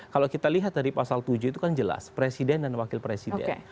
kalau kita lihat dari pasal tujuh itu kan jelas presiden dan wakil presiden